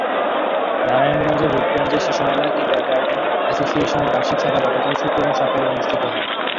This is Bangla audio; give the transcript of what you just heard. নারায়ণগঞ্জের রূপগঞ্জে শিশুমেলা কিন্ডারগার্টেন অ্যাসোসিয়েশনের বার্ষিক সভা গতকাল শুক্রবার সকালে অনুষ্ঠিত হয়।